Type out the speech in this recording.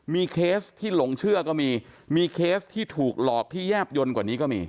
มีเคสที่หลงเชื่อก็มีมีเคสที่ถูกหลอกที่แยบยนต์กว่านี้ก็มี